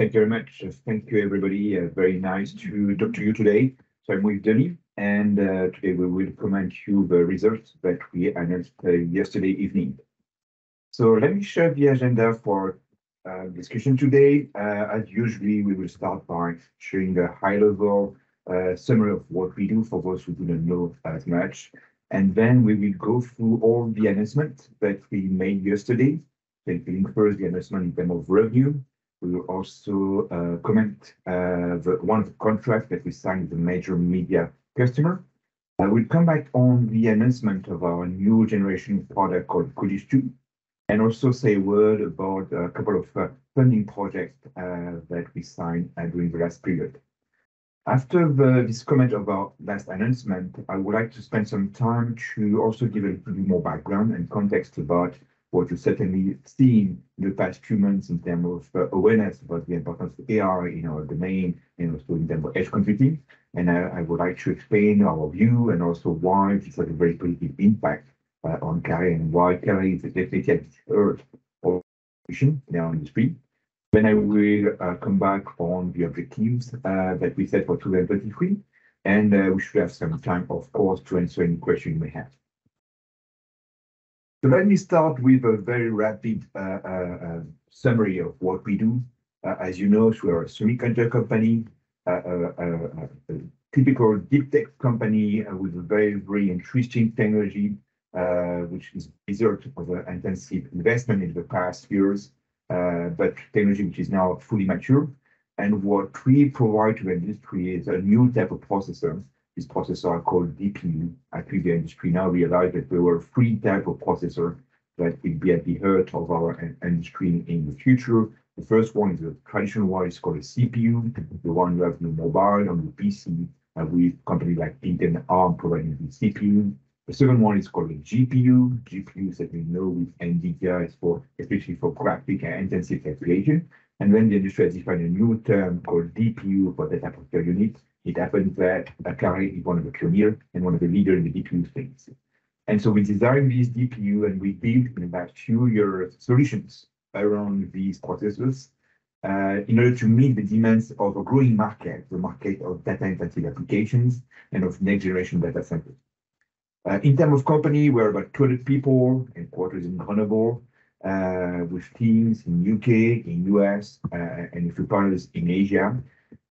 Thank you very much. Thank you, everybody. Very nice to talk to you today. I'm with Denis, and today we will comment you the results that we announced yesterday evening. Let me share the agenda for discussion today. As usually, we will start by sharing a high-level summary of what we do for those who do not know as much, and then we will go through all the announcements that we made yesterday that will include the announcement in term of revenue. We will also comment the one contract that we signed, the major media customer. I will come back on the announcement of our new generation product called K2, and also say a word about a couple of funding projects that we signed during the last period. After this comment about last announcement, I would like to spend some time to also give a little more background and context about what you've certainly seen in the past few months in terms of awareness about the importance of AI in our domain, and also in terms of edge computing. I would like to explain our view, and also why this has a very positive impact on Kalray, and why Kalray is definitely at the heart of our vision now in the industry. I will come back on the objectives that we set for 2023, and we should have some time, of course, to answer any questions you may have. Let me start with a very rapid summary of what we do. As you know, we are a semiconductor company, a typical deep tech company with a very, very interesting technology, which is result of an intensive investment in the past years, but technology which is now fully mature. What we provide to industry is a new type of processor. This processor are called DPU. I think the industry now realized that there were three type of processor that will be at the heart of our end screen in the future. The first one is the traditional one, it's called a CPU, the one you have in your mobile and your PC, and with company like Intel and Arm providing the CPU. The second one is called a GPU. GPU, as you know, with NVIDIA, especially for graphic and intensive calculation. The industry has defined a new term called DPU for that type of unit. It happens that Kalray is one of the pioneer and one of the leaders in the DPU space. We designed this DPU, and we built in the last few years solutions around these processors in order to meet the demands of a growing market, the market of data-intensive applications and of next-generation data centers. In terms of company, we're about 20 people, and quarters in Grenoble, with teams in UK, in US, and a few partners in Asia.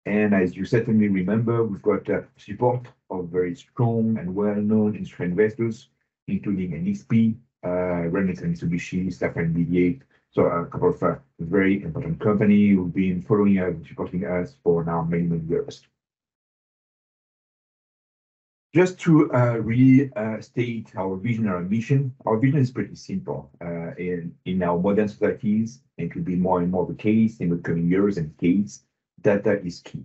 As you certainly remember, we've got support of very strong and well-known industry investors, including NXP, Renesas, Mitsubishi, Safran, Mediaip. A couple of very important company who've been following us and supporting us for now many, many years. Just to restate our vision, our mission. Our vision is pretty simple. In our modern societies, it will be more and more the case in the coming years and decades, data is key.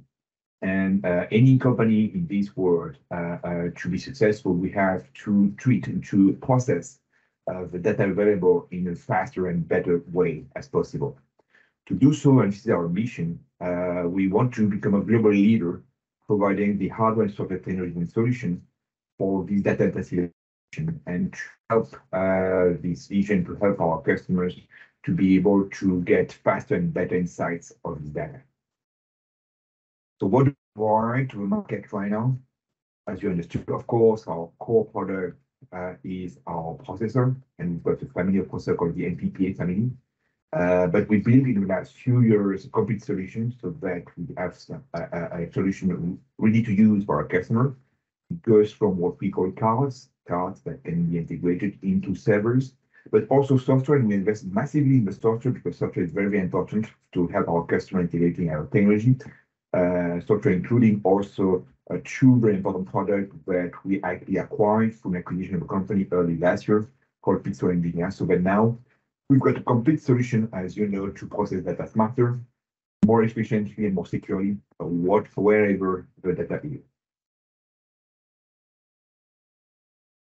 Any company in this world, to be successful, we have to treat and to process the data available in a faster and better way as possible. To do so, and this is our mission, we want to become a global leader, providing the hardware and software technology solutions for these data-intensive application, and to help this vision, to help our customers to be able to get faster and better insights of this data. What do we provide to the market right now? As you understood, of course, our core product is our processor, and we've got a family of processor called the MPPA family. We believe in the last few years, complete solutions, so that we have some a solution ready to use for our customer. It goes from what we call cards that can be integrated into servers, but also software, and we invest massively in the software, because software is very, very important to help our customer integrating our technology. Software, including also two very important product that we actually acquired from acquisition of a company early last year called pixitmedia. Now we've got a complete solution, as you know, to process data smarter, more efficiently, and more securely, work wherever the data is.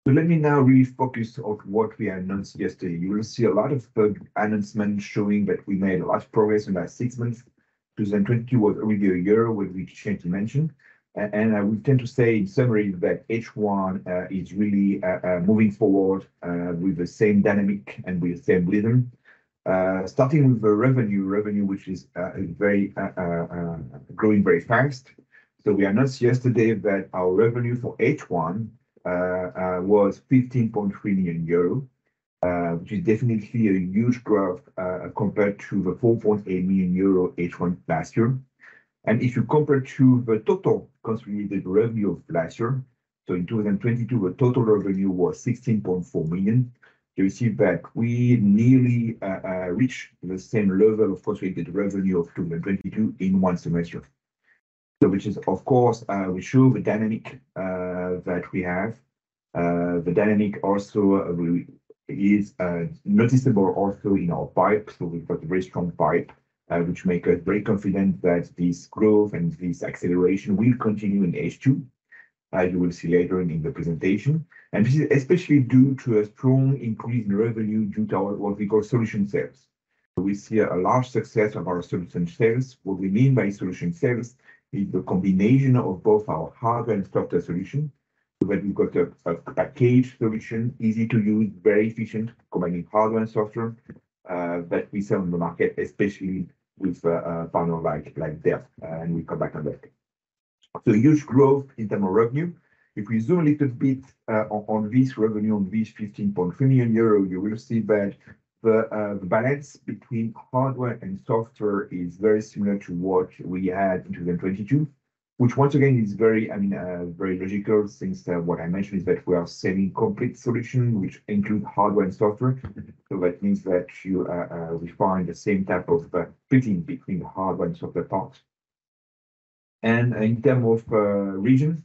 Let me now really focus on what we announced yesterday. You will see a lot of announcements showing that we made a lot of progress in that six months. 2022 was really a year which we changed to mention. I would tend to say in summary, that H1 is really moving forward with the same dynamic and with the same rhythm. Starting with the revenue which is very growing very fast. We announced yesterday that our revenue for H1 was 15.3 million euro, which is definitely a huge growth compared to the 4.8 million euro H1 last year. If you compare to the total consolidated revenue of last year, so in 2022, the total revenue was 16.4 million. You see that we nearly reached the same level of consolidated revenue of 2022 in 1 semester. Which is, of course, we show the dynamic that we have. The dynamic also is noticeable also in our pipe. We've got a very strong pipe, which make us very confident that this growth and this acceleration will continue in H2, as you will see later in the presentation. This is especially due to a strong increase in revenue due to our what we call solution sales. We see a large success of our solution sales. What we mean by solution sales is the combination of both our hardware and software solution. That we've got a package solution, easy to use, very efficient, combining hardware and software, that we sell on the market, especially with partner like Dell, and we'll come back on that. Huge growth in terms of revenue. If we zoom a little bit on this revenue, on this 15.3 million euro, you will see that the balance between hardware and software is very similar to what we had in 2022, which once again is very, I mean, very logical since that what I mentioned is that we are selling complete solution, which include hardware and software. That means that you, we find the same type of splitting between the hardware and software parts. In term of regions,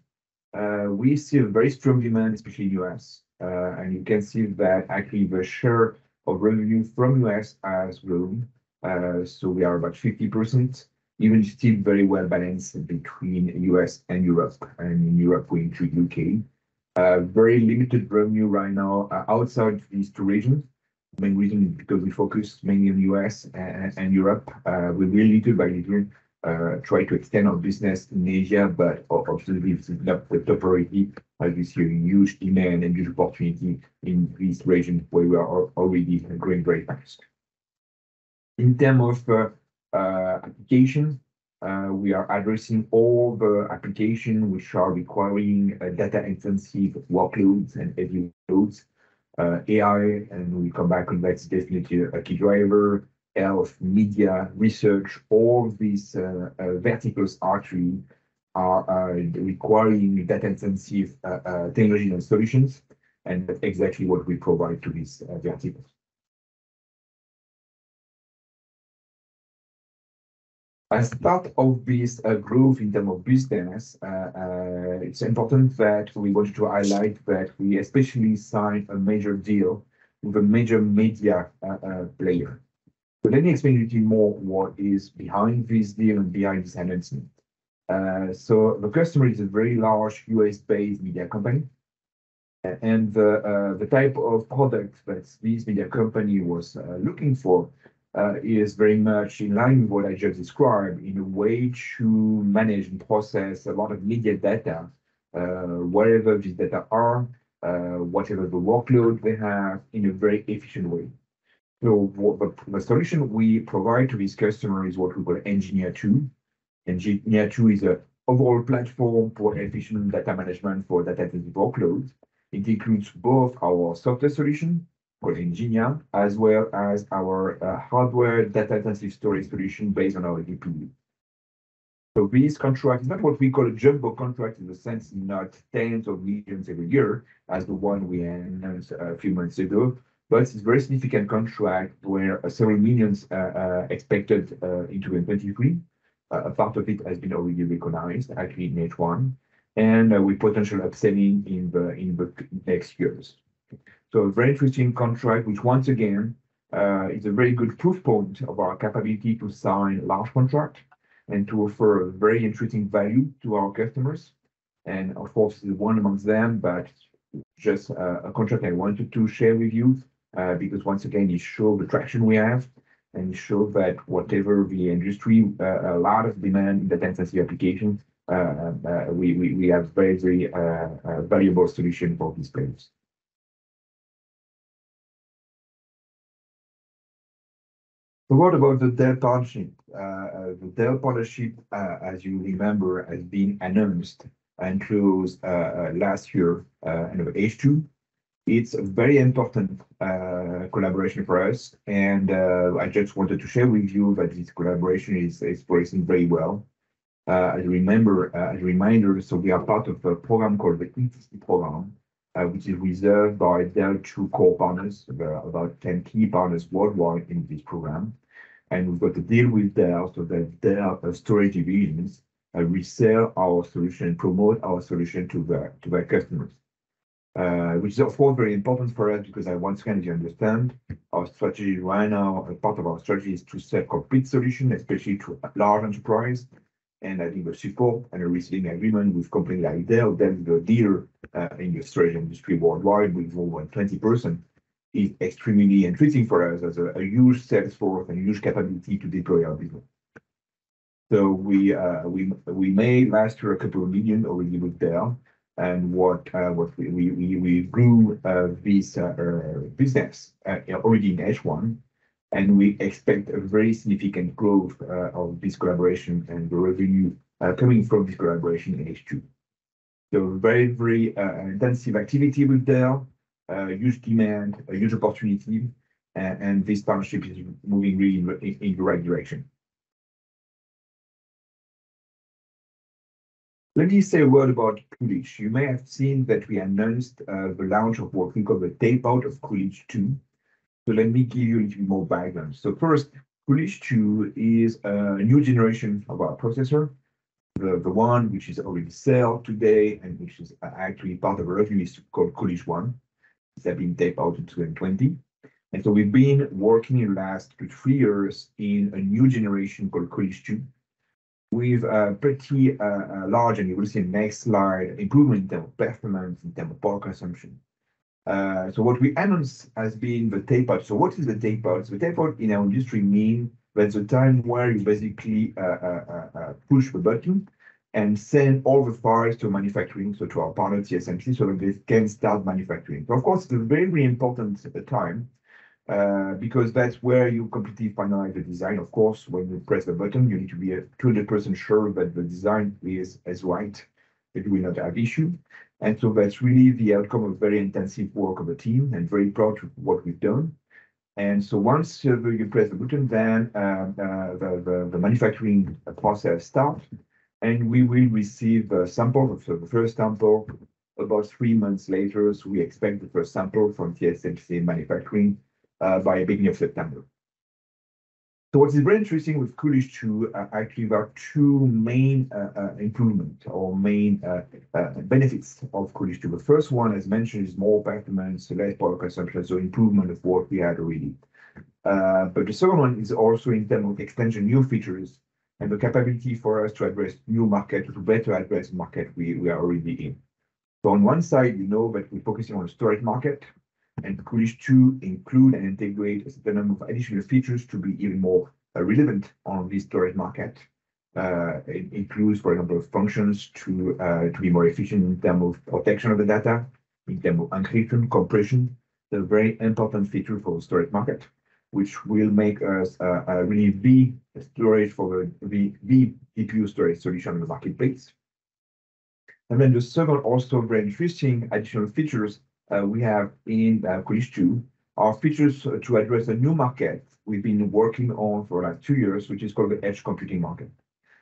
we see a very strong demand, especially US. You can see that actually the share of revenue from US has grown. We are about 50%, even still very well balanced between US and Europe, and in Europe, we include UK. Very limited revenue right now outside these two regions. Main reason is because we focus mainly on US and Europe. We really do by little try to extend our business in Asia, but obviously this is not the priority as we see a huge demand and huge opportunity in this region where we are already growing very fast. In terms of application, we are addressing all the application which are requiring data-intensive workloads and heavy loads. AI, and we come back on that, is definitely a key driver. Health, media, research, all these verticals are requiring data-intensive technology and solutions, and that's exactly what we provide to these verticals. As part of this growth in terms of business, it's important that we wanted to highlight that we especially signed a major deal with a major media player. Let me explain a little more what is behind this deal and behind this announcement. The customer is a very large US-based media company, and the type of product that this media company was looking for is very much in line with what I just described, in a way to manage and process a lot of media data, wherever this data are, whatever the workload they have, in a very efficient way. What the solution we provide to this customer is what we call ngenea2. ngenea2 is a overall platform for efficient data management for data-intensive workloads. It includes both our software solution for engineer, as well as our hardware data-intensive storage solution based on our DPU. This contract is not what we call a jumbo contract in the sense not EUR tens of millions every year, as the one we announced a few months ago, but it's a very significant contract where EUR several millions are expected in 2023. A part of it has been already recognized, actually in H1, and with potential upselling in the next years. A very interesting contract, which once again, is a very good proof point of our capability to sign large contract and to offer a very interesting value to our customers, and of course, is one amongst them. Just a contract I wanted to share with you because once again, it show the traction we have, and it show that whatever the industry, a lot of demand in the data-intensive application, we have very, very valuable solution for these clients. What about the Dell partnership? The Dell partnership, as you remember, has been announced and closed last year, end of H2. It's a very important collaboration for us, and I just wanted to share with you that this collaboration is progressing very well. As you remember, as a reminder, we are part of a program called the Titanium program, which is reserved by Dell true core partners, about 10 key partners worldwide in this program. We've got a deal with Dell, so that Dell storage divisions, we sell our solution and promote our solution to their customers. Which is, of course, very important for us because once again, if you understand our strategy right now, a part of our strategy is to sell complete solution, especially to a large enterprise. I think the support and a recently agreement with company like Dell is the dealer, in the storage industry worldwide with over 20%, is extremely interesting for us as a huge sales force and huge capability to deploy our business. We made last year a couple of million EUR already with Dell, we grew this business already in H1, and we expect a very significant growth of this collaboration and the revenue coming from this collaboration in H2. Very intensive activity with Dell. Huge demand, a huge opportunity, and this partnership is moving really in the right direction. Let me say a word about Coolidge. You may have seen that we announced the launch of what we call the tape-out of Coolidge 2. Let me give you a little more background. First, Coolidge 2 is a new generation of our processor. The one which is already sell today and which is actually part of our revenue, is called Coolidge one. That been tape out in 2020. We've been working in last two, three years in a new generation called Coolidge 2, with a pretty large, and you will see next slide, improvement in terms of performance, in terms of power consumption. What we announce has been the tape out. What is the tape out? Tape out in our industry mean that the time where you basically push the button and send all the files to manufacturing, to our partners, TSMC, so that they can start manufacturing. Of course, it's very important at the time, because that's where you completely finalize the design. Of course, when you press the button, you need to be 100% sure that the design is right, it will not have issue. That's really the outcome of very intensive work of the team, and very proud of what we've done. Once you press the button, then the manufacturing process start, and we will receive a sample. The first sample about three months later. We expect the first sample from TSMC manufacturing by beginning of September. What is very interesting with Coolidge two, actually there are two main improvement or main benefits of Coolidge two. The first one, as mentioned, is more performance, less power consumption, so improvement of what we had already. The second one is also in term of extension, new features, and the capability for us to address new market, to better address market we are already in. On one side, you know that we're focusing on the storage market, Coolidge two include and integrate a number of additional features to be even more relevant on the storage market. It includes, for example, functions to be more efficient in terms of protection of the data, in terms of encryption, compression. They're very important features for storage market, which will make us a really be storage for the GPU storage solution in the marketplace. Then the second also very interesting additional features we have in Coolidge two, are features to address a new market we've been working on for, like, two years, which is called the edge computing market.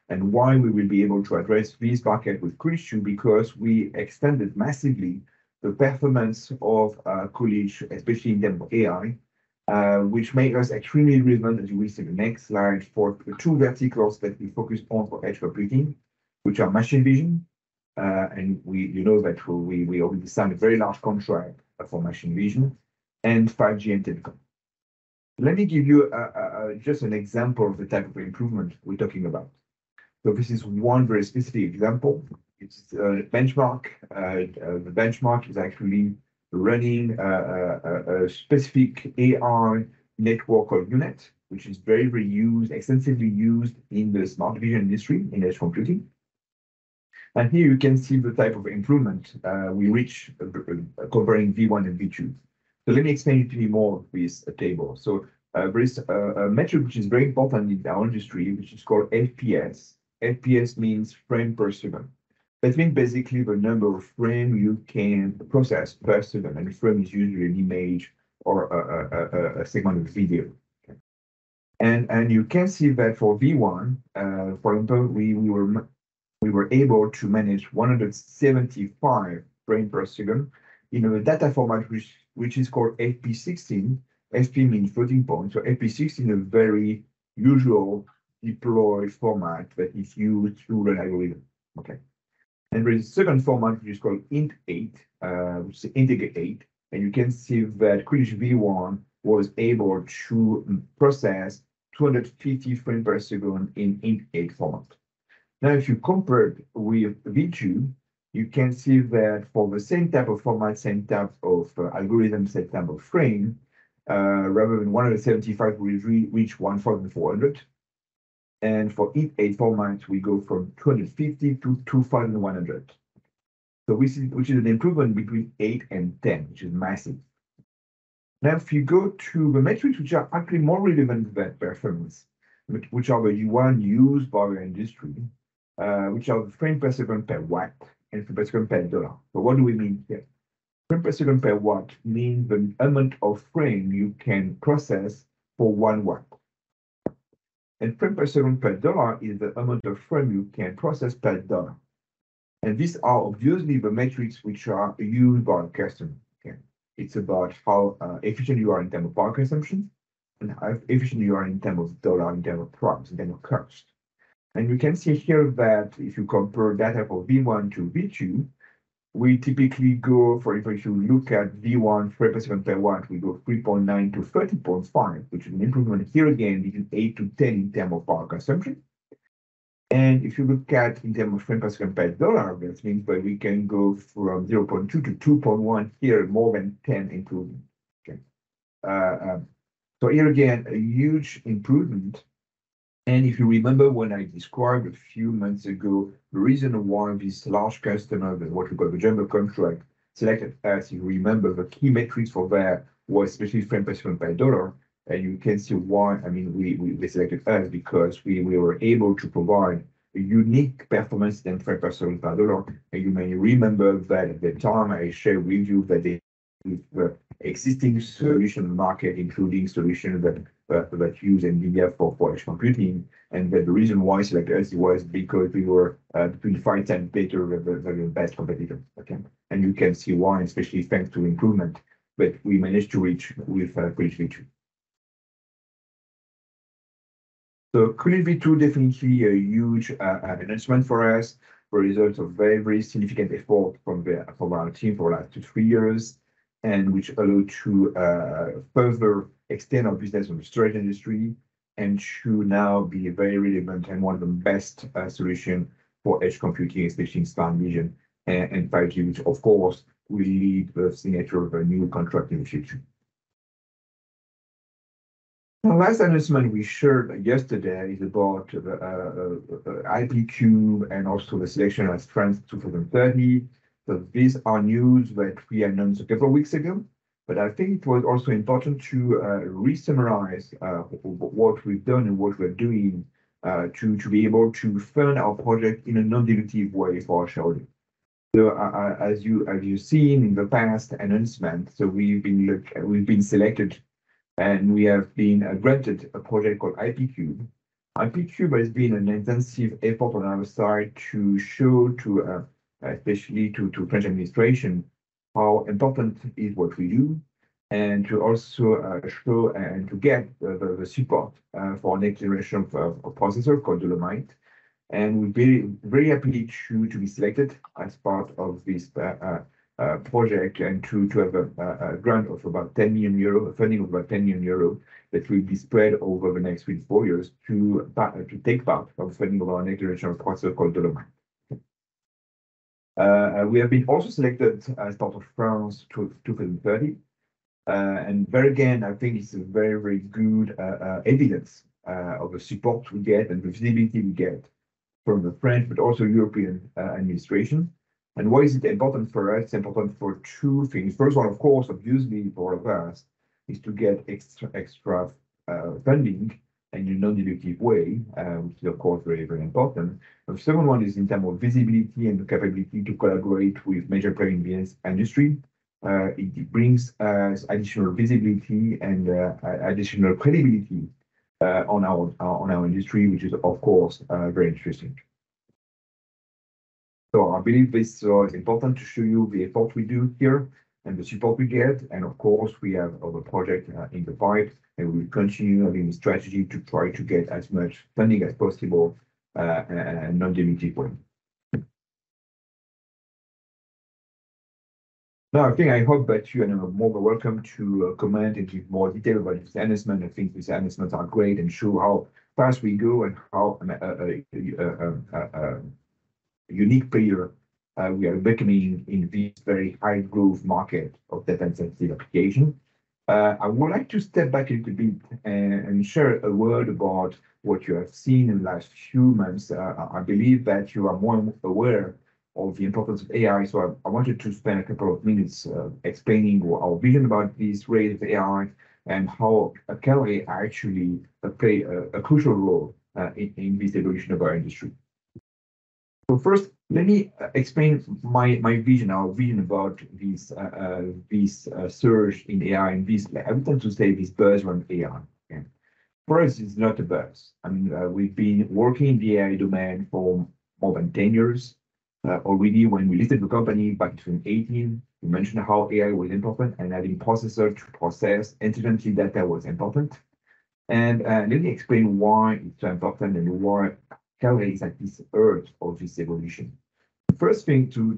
Why we will be able to address this market with Coolidge two, because we extended massively the performance of Coolidge, especially in term of AI, which make us extremely relevant, as you will see the next slide, for the two verticals that we focus on for edge computing, which are machine vision, you know that we already signed a very large contract for machine vision, and 5G and telecom. Let me give you just an example of the type of improvement we're talking about. This is one very specific example. It's benchmark. The benchmark is actually running a specific AI network called U-Net, which is very used, extensively used in the smart vision industry, in edge computing. Here you can see the type of improvement we reach comparing V1 and V2. Let me explain it to you more with a table. There is a metric which is very important in our industry, which is called FPS. FPS means frame per second. That means basically the number of frame you can process per second, and frame is usually an image or a segment of video. You can see that for V1, for example, we were able to manage 175 frames per second in a data format which is called FP16. FP means floating point, FP16 is a very usual deployed format that is used to run algorithm. Okay, there is second format which is called INT8, integer 8, you can see that Coolidge two V1 was able to process 250 frames per second in INT8 format. If you compare with V2, you can see that for the same type of format, same type of algorithm, same type of frame, rather than 175, we reach 1,400, and for INT8 formats, we go from 250 to 2,100. Which is an improvement between 8 and 10, which is massive. If you go to the metrics, which are actually more relevant than performance, which are the one used by the industry, which are the frames per second per watt and frames per second per dollar. What do we mean here? Frames per second per watt means the amount of frame you can process for 1 watt. Frames per second per dollar is the amount of frame you can process per dollar. These are obviously the metrics which are used by the customer. It's about how efficient you are in terms of power consumption and how efficient you are in terms of dollar, in terms of prompts, in terms of cost. You can see here that if you compare data for V1 to V2, we typically go... For if you look at V1 frame per second per watt, we go 3.9-13.5, which is an improvement here again, between 8-10 in term of power consumption. If you look at in term of frame per second per dollar, that means that we can go from 0.2-2.1, here more than 10 improvement. Okay. Here again, a huge improvement. If you remember when I described a few months ago, the reason why this large customer with what we call the jumbo contract, selected us, you remember the key metrics for that was especially frames per second per dollar. You can see why, I mean, they selected us because we were able to provide a unique performance in frames per second per dollar. You may remember that at the time I shared with you that the existing solution market, including solutions that use NVIDIA for edge computing, and that the reason why they selected us was because we were between 5 times better than the best competitor. Okay, you can see why, especially thanks to improvement, but we managed to reach with Coolidge™2 V2. Coolidge™2 V2 definitely a huge announcement for us. The result of very, very significant effort from our team for like up to 3 years, and which allow to further extend our business in the storage industry, and to now be very relevant and one of the best solution for edge computing, especially in smart vision and 5G, which of course, will lead the signature of a new contract in the future. The last announcement we shared yesterday is about the IP-CUBE and also the Selection as France 2030. These are news that we announced a couple of weeks ago, but I think it was also important to re-summarize what we've done and what we're doing to be able to fund our project in a non-dilutive way for sure. As you've seen in the past announcement, we've been selected, and we have been granted a project called IP-CUBE. IP-CUBE has been an intensive effort on our side to show to French administration how important is what we do, and to also show and to get the support for next generation of processor called Dolomite. We're very happy to be selected as part of this project, and to have a funding of about 10 million euro that will be spread over the next three to four years to take part of spending of our next generation processor called Dolomite. We have been also selected as part of France 2030, there again, I think it's a very good evidence of the support we get and the visibility we get from the French, but also European administration. Why is it important for us? It's important for two things. First one, of course, obviously, for us, is to get extra funding in a non-dilutive way, which is, of course, very important. The second one is in terms of visibility and the capability to collaborate with major players in industry. It brings us additional visibility and additional credibility on our industry, which is, of course, very interesting. I believe this is important to show you the effort we do here and the support we get, and of course, we have other project in the pipe, and we'll continue having the strategy to try to get as much funding as possible in a non-dilutive way. I think I hope that you are more than welcome to comment and give more detail about this announcement. I think these announcements are great and show how fast we go and how unique player we are becoming in this very high growth market of data-intensive application. I would like to step back a little bit and share a word about what you have seen in the last few months. I believe that you are more than aware of the importance of AI, so I wanted to spend a couple of minutes explaining what our vision about this wave of AI and how Kalray actually play a crucial role in this evolution of our industry. First, let me explain my vision, our vision about this surge in AI, I would like to say this burst on AI. Okay. For us, it's not a burst. I mean, we've been working in the AI domain for more than 10 years. Already when we listed the company back in 2018, we mentioned how AI was important and adding processor to process. Incidentally, that was important. Let me explain why it's so important and why Kalray is at this heart of this evolution. The first thing to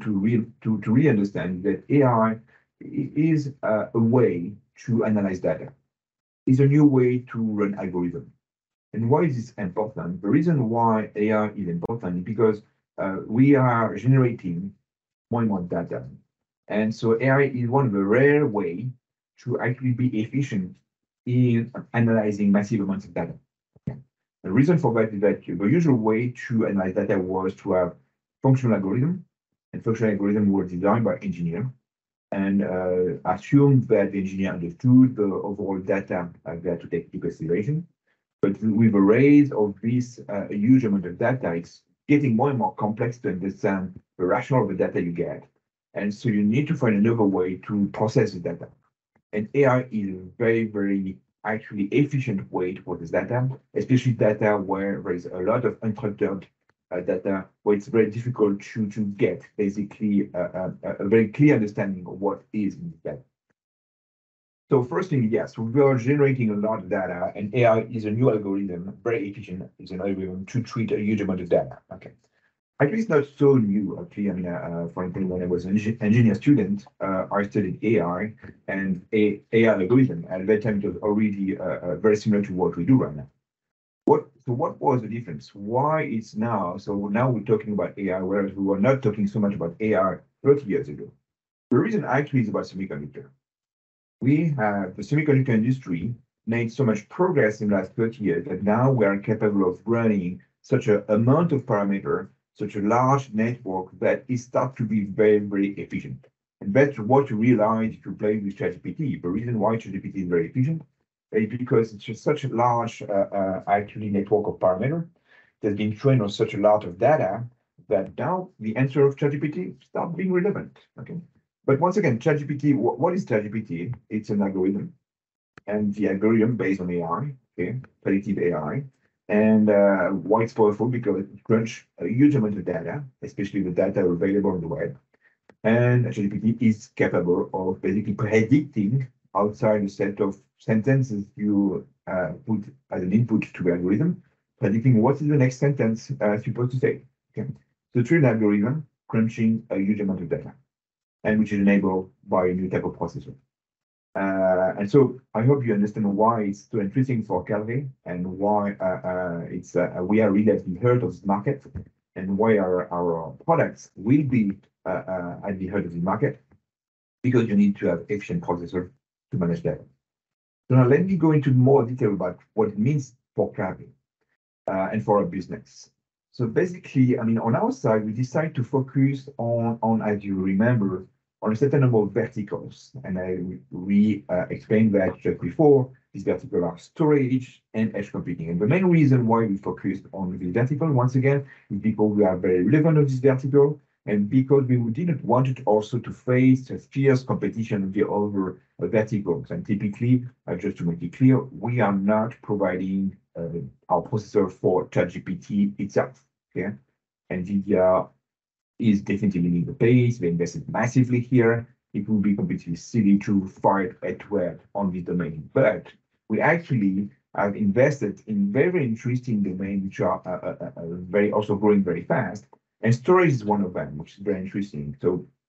re-understand that AI is a way to analyze data. It's a new way to run algorithm. Why is this important? The reason why AI is important is because we are generating more and more data, AI is one of the rare way to actually be efficient in analyzing massive amounts of data. Okay. The reason for that is that the usual way to analyze data was to have functional algorithm, functional algorithm were designed by engineer, and assumed that the engineer understood the overall data there to take into consideration. With the rise of this huge amount of data, it's getting more and more complex to understand the rationale of the data you get, you need to find another way to process the data. AI is very, very actually efficient way to process data, especially data where there is a lot of unstructured data, where it's very difficult to get basically, a very clear understanding of what is in the data. First thing, yes, we are generating a lot of data, and AI is a new algorithm, very efficient, is an algorithm to treat a huge amount of data. Okay. Actually, it's not so new, actually. I mean, for example, when I was an engineer student, I studied AI and AI algorithm, and at that time it was already very similar to what we do right now. What was the difference? Now we're talking about AI, whereas we were not talking so much about AI 30 years ago. The reason actually is about semiconductor. The semiconductor industry made so much progress in the last 30 years that now we are capable of running such a amount of parameter, such a large network, that it starts to be very, very efficient. That's what you realize if you play with ChatGPT. The reason why ChatGPT is very efficient is because it's just such a large, actually network of parameter that have been trained on such a lot of data, that now the answer of ChatGPT starts being relevant. Okay, once again, ChatGPT... What is ChatGPT? It's an algorithm, and the algorithm based on AI, okay, predictive AI. Why it's powerful? Because it crunch a huge amount of data, especially the data available on the wide. ChatGPT is capable of basically predicting outside the set of sentences you put as an input to the algorithm, predicting what is the next sentence supposed to say. Okay. It's an algorithm crunching a huge amount of data, and which is enabled by a new type of processor. I hope you understand why it's so interesting for Kalray and why it's we are really at the heart of this market, and why our products will be at the heart of the market, because you need to have efficient processor to manage that. Now, let me go into more detail about what it means for Kalray and for our business. Basically, I mean, on our side, we decide to focus on as you remember, on a certain number of verticals, we explained that just before, these vertical are storage and edge computing. The main reason why we focused on the vertical, once again, is because we are very relevant on this vertical, and because we didn't want it also to face a fierce competition with the other verticals. Typically, just to make it clear, we are not providing our processor for ChatGPT itself, okay? NVIDIA is definitely leading the pace. They invested massively here. It would be completely silly to fight headward on this domain. We actually have invested in very interesting domain, which are also growing very fast, and storage is one of them, which is very interesting.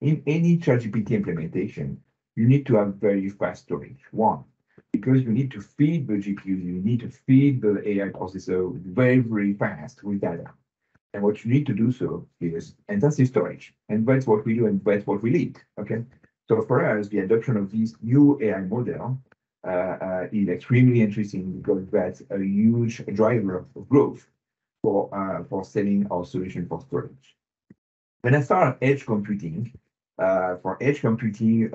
In any ChatGPT implementation, you need to have very fast storage. One, because you need to feed the GPU, you need to feed the AI processor very, very fast with data. What you need to do so is intensive storage, and that's what we do, and that's what we need, okay? For us, the adoption of this new AI model is extremely interesting because that's a huge driver of growth for selling our solution for storage. When I start on edge computing, for edge computing,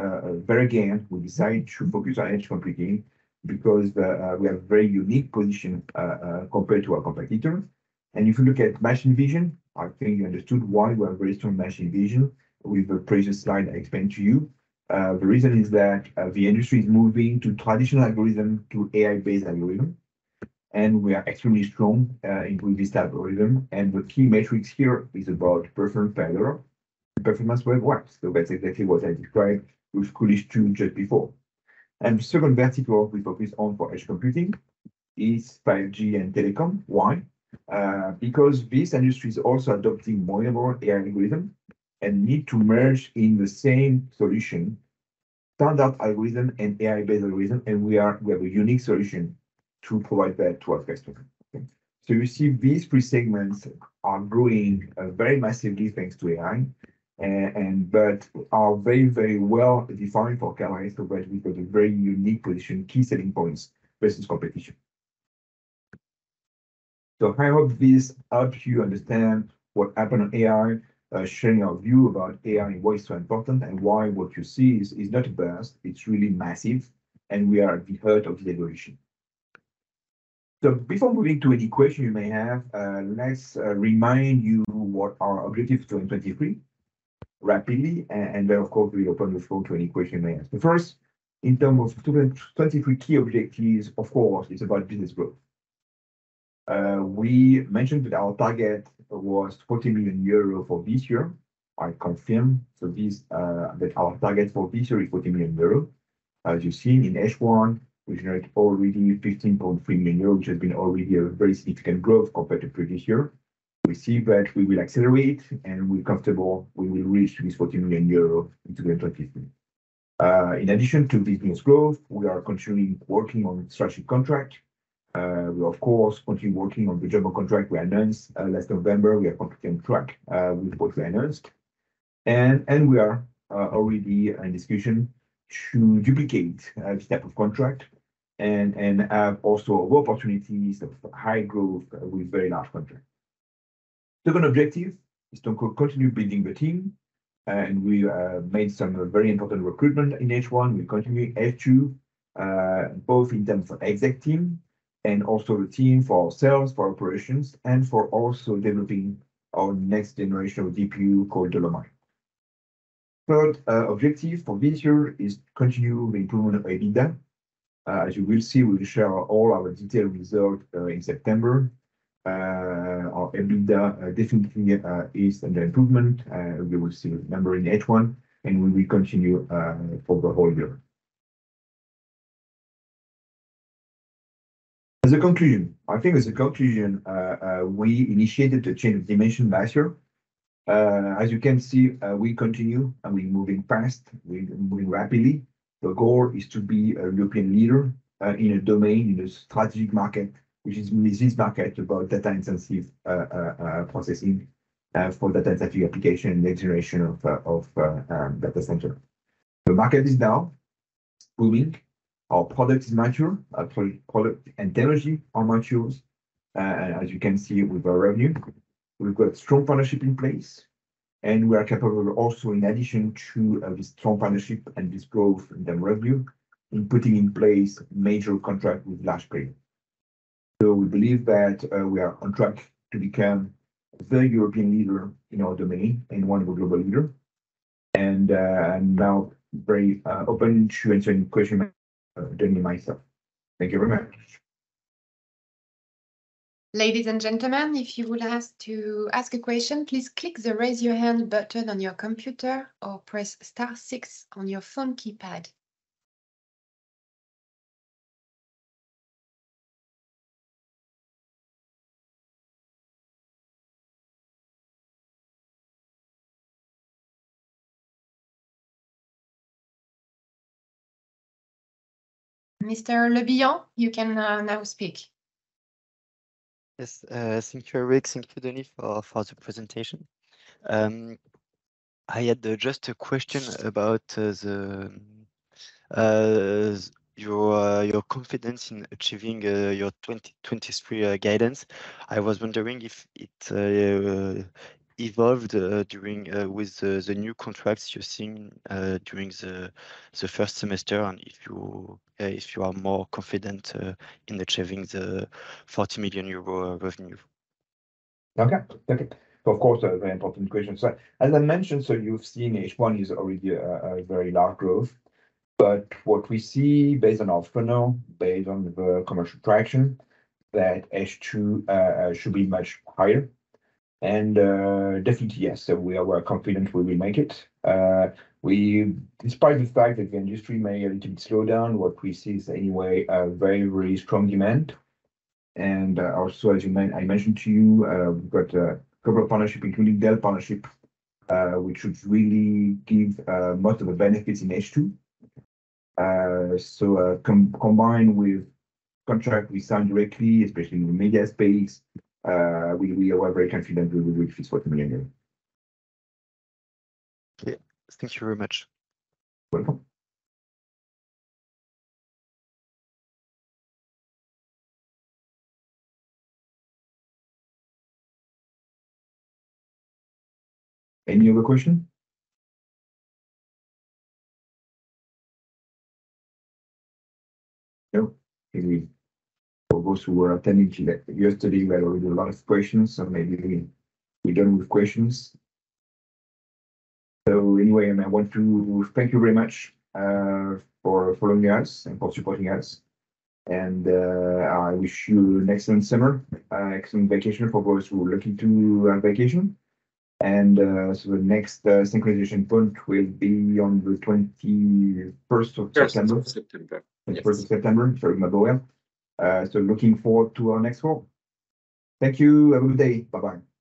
we decided to focus on edge computing because we have very unique position compared to our competitors. If you look at machine vision, I think you understood why we are very strong in machine vision with the previous slide I explained to you. The reason is that the industry is moving to traditional algorithm, to AI-based algorithm, and we are extremely strong in building this algorithm. The key metrics here is about performance per dollar, performance per watt. That's exactly what I described with Coolidge two just before. The second vertical we focus on for edge computing is 5G and telecom. Why? Because this industry is also adopting more and more AI algorithm and need to merge in the same solution, standard algorithm and AI-based algorithm, and we have a unique solution to provide that to our customer. You see, these three segments are growing very massively thanks to AI, but are very, very well defined for Kalray because we've got a very unique position, key selling points versus competition. I hope this helps you understand what happened on AI, sharing our view about AI and why it's so important, and why what you see is not a burst, it's really massive, and we are at the heart of the revolution. Before moving to any question you may have, let's remind you what our objectives for in 2023 rapidly, and then, of course, we'll open the floor to any question you may have. The first, in terms of 2023 key objectives, of course, it's about business growth. We mentioned that our target was 40 million euro for this year. I confirm. That our target for this year is 40 million euro. As you've seen in H1, we generate already 15.3 million euro, which has been already a very significant growth compared to previous year. We see that we will accelerate, and we're comfortable we will reach this 40 million euro in 2023. In addition to business growth, we are continuing working on strategic contract. We, of course, continue working on the German contract we announced last November. We are completely on track with what we announced. We are already in discussion to duplicate type of contract and have also opportunities of high growth with very large contract. Second objective is to continue building the team, and we made some very important recruitment in H1. We continue in H2, both in terms of exec team and also the team for our sales, for operations, and for also developing our next generation of DPU called Dolomite. Third objective for this year is to continue improving EBITDA. As you will see, we'll share all our detailed result in September. Our EBITDA definitely is under improvement, we will see number in H1, and we will continue for the whole year. As a conclusion, I think as a conclusion, we initiated a change of dimension last year. As you can see, we continue, and we're moving fast. We're moving rapidly. The goal is to be a European leader in a domain, in a strategic market, which is this market about data-intensive processing for data-intensive application and next generation of data center. The market is now booming. Our product is mature. Our product and technology are matures, as you can see with our revenue. We've got strong partnership in place. We are capable also, in addition to the strong partnership and this growth in the revenue, in putting in place major contract with large player. We believe that, we are on track to become the European leader in our domain and one of the global leader. Now very open to answering question during myself. Thank you very much. Ladies and gentlemen, if you would ask to ask a question, please click the Raise Your Hand button on your computer or press star six on your phone keypad. Mr. Le Bihan, you can now speak. Yes, thank you, Eric. Thank you, Denis, for the presentation. I had just a question about your confidence in achieving your 2023 guidance. I was wondering if it evolved during with the new contracts you've seen during the first semester, and if you are more confident in achieving the 40 million euro revenue? Okay. Thank you. Of course, a very important question. As I mentioned, you've seen H1 is already a very large growth. What we see based on offer now, based on the commercial traction, that H2 should be much higher. Definitely, yes, we are very confident we will make it. Despite the fact that the industry may a little bit slow down, what we see is anyway a very strong demand. Also, as I mentioned to you, we've got a couple of partnership, including Dell partnership, which should really give most of the benefits in H2. Combined with contract we signed directly, especially in the media space, we are very confident we will reach 40 million euros. Okay. Thank you very much. Welcome. Any other question? No. Maybe for those who were attending to that yesterday, we had already a lot of questions, maybe we're done with questions. Anyway, I want to thank you very much for following us and for supporting us. I wish you an excellent summer, excellent vacation for those who are looking to vacation. The next synchronization point will be on the 21st of September. September. 21st of September. Sorry about that. Looking forward to our next call. Thank you. Have a good day. Bye-bye.